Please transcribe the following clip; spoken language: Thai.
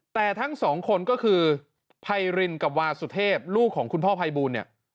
แต่ทั้งสองคนก็คือไพรินกับวาสุเทพลูกของคุณพ่อภัยบูลเนี่ย